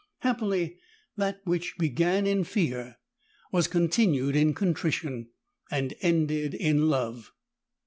Happily, that which be 170 g an in fear was continued in contrition, and ended in love.